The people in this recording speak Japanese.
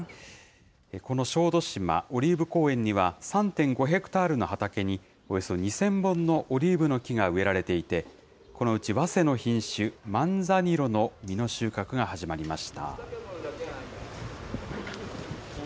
この小豆島オリーブ公園には３．５ヘクタールの畑におよそ２０００本のオリーブの木が植えられていて、このうちわせの品種、マンザニロの実の収穫が始まりました。